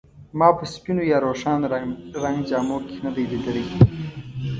ما په سپینو یا روښانه رنګ جامو کې نه دی لیدلی.